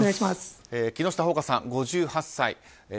木下ほうかさん、５８歳。